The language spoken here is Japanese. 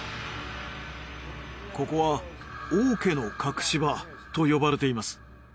ここは王家の隠し場と呼ばれています。